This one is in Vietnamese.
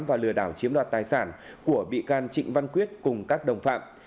và lừa đảo chiếm đoạt tài sản của bị can trịnh văn quyết cùng các đồng phạm